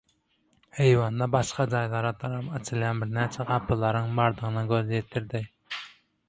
Eýwanda başga jaýlara tarap açylýan birnäçe gapylaryň bardygyna göz ýetirdi.